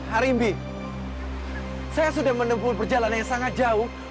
arimbi saya sudah menemukan perjalanan yang sangat jauh